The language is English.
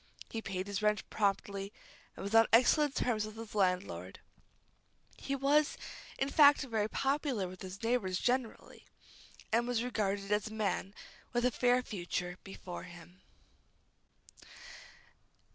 He paid his rent promptly, and was on excellent terms with his landlord. He was, in fact, rather popular with his neighbors generally, and was regarded as a man with a fair future before him.